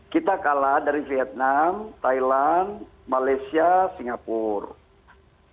kita kalah dari vietnam thailand malaysia singapura